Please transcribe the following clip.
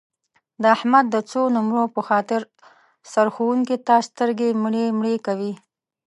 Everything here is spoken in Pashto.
د احمد د څو نمرو په خاطر سرښوونکي ته سترګې مړې مړې کوي.